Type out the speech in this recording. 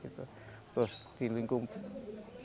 terus di lingkungan